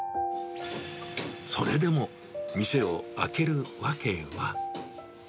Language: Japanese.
それでも店を開ける訳は。